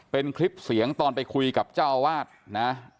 เป็นคลิปเสียงตอนไปคุยกับเจ้าอาวาสนะ